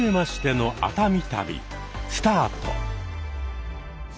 スタート。